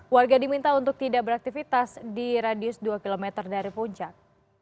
warga diminta untuk tidak beraktivitas di radius dua km dari puncak